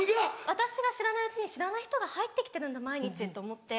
私が知らないうちに知らない人が入って来てるんだ毎日と思って。